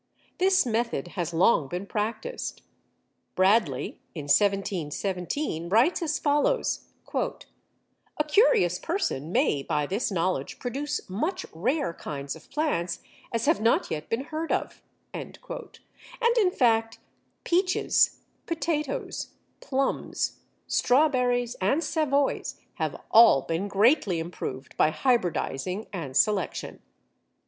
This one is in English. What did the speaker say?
This method has long been practised. Bradley, in 1717, writes as follows: "A curious person may by this knowledge produce much rare kinds of plants as have not yet been heard of"; and, in fact, peaches, potatoes, plums, strawberries, and savoys have all been greatly improved by hybridizing and selection.